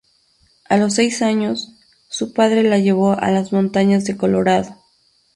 A los seis años, su padre la llevó a las montañas de Colorado.